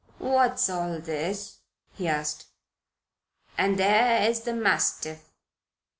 "What is all this?" he asked. "And there is the mastiff.